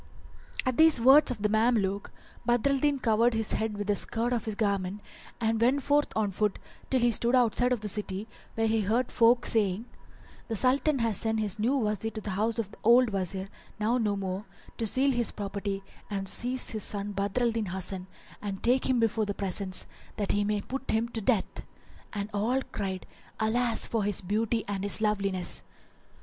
[FN#395] At these words of the Mameluke, Badr al Din covered his head with the skirt of his garment and went forth on foot till he stood outside of the city, where he heard folk saying, "The Sultan hath sent his new Wazir to the house of the old Wazir, now no more, to seal his property and seize his son Badr al Din Hasan and take him before the presence, that he may put him to death; " and all cried, "Alas for his beauty and his loveliness!"